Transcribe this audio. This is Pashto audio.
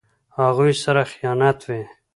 هغوی سره خیانت وي.